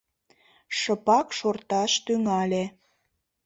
шыпак шорташ тӱҥале.